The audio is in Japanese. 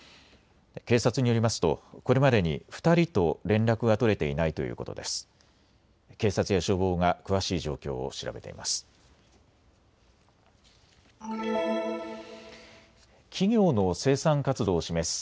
警察によりますとこれまでに２人と連絡が取れていないということです。